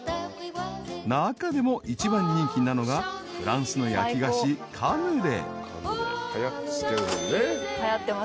［中でも一番人気なのがフランスの焼き菓子カヌレ］